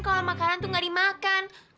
kalau makanan tuh gak dimakan